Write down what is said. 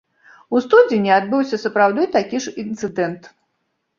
У студзені адбыўся сапраўды такі ж інцыдэнт.